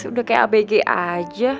udah kayak abg aja